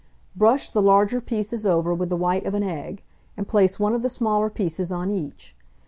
Brush the larger pieces over with the white of an egg, and place one of the smaller pieces on each.